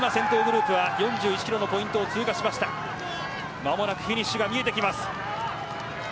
間もなくフィニッシュが見えてきます。